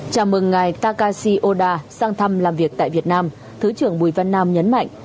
chào mừng ngài takashi oda sang thăm làm việc tại việt nam thứ trưởng bùi văn nam nhấn mạnh